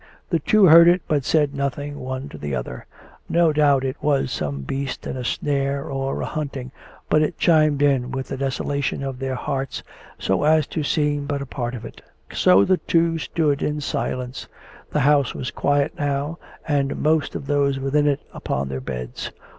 The two heard it, but said nothing, one to the other. No doubt it was some beast in a snare or a hunting, but it chimed in with the desolation of their hearts so as to seem but a part of it. So the two stood in silence. The house was quiet now, and most of those within it upon their beds.